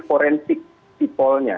ini forensik sipolnya